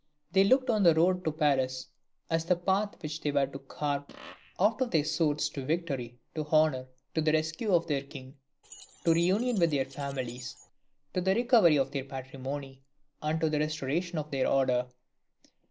They looked on the road to Paris as the path which they were to carve out by their swords to victory, to honour, to the rescue of their king, to reunion with their families, to the recovery of their patrimony, and to the restoration of their order.